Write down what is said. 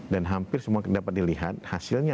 dan hampir semua dapat dilihat hasilnya